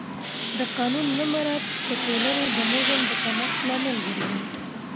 د قانون نه مراعت د ټولنې د نظم د کمښت لامل ګرځي